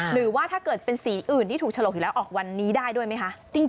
หรือถ้าเป็นสีอื่นที่ถูกฉลกออกวันนี้ได้กันไหมคะ